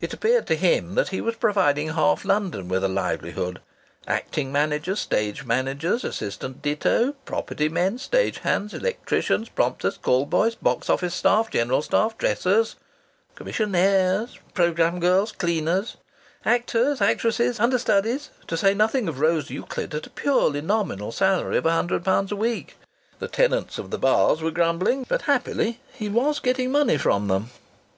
It appeared to him that he was providing half London with a livelihood: acting managers, stage managers, assistant ditto, property men, stage hands, electricians, prompters, call boys, box office staff, general staff, dressers, commissionaires, programme girls, cleaners, actors, actresses, understudies, to say nothing of Rose Euclid at a purely nominal salary of a hundred pounds a week. The tenants of the bars were grumbling, but happily he was getting money from them.